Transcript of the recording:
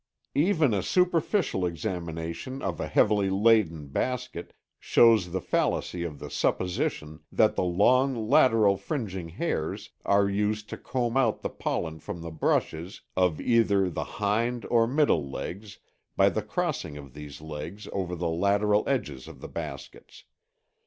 Even a superficial examination of a heavily laden basket shows the fallacy of the supposition that the long lateral fringing hairs are used to comb out the pollen from the brushes of either the hind or middle legs by the crossing of these legs over the lateral edges of the baskets.